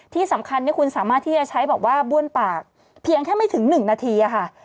ที่สำคัญคุณสามารถที่จะใช้แบบว่าบ้วนปากเพียงแค่ไม่ถึง๑นาทีค่ะ